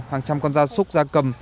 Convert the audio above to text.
hàng trăm con da súc da cầm